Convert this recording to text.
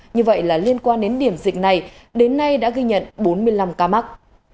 như vậy là liên quan đến điểm dịch này đến nay đã ghi nhận bốn mươi năm ca mắc